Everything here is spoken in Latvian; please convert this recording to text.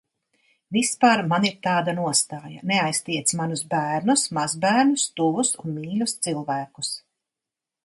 Vispār man ir tāda nostāja: neaiztiec manus bērnus, mazbērnus, tuvus un mīļus cilvēkus.